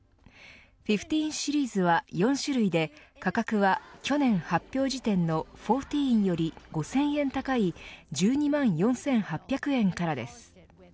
１５シリーズは４種類で価格は去年発表時点の１４より５０００円高い１２万４８００円からです。